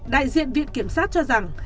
đại diện viện kiểm sát cho rằng